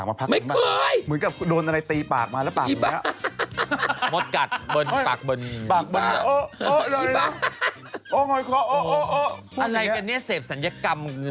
เคยเป็นอันพักนึงปะอย่างนี้ใช่ไหม